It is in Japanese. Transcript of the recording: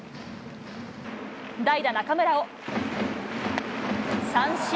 代打、中村を三振。